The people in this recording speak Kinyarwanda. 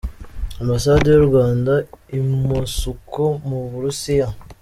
Ambasade y‟u Rwanda i Mosuku, mu Burusiya.